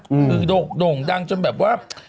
คือโด่งดังจนแบบว่า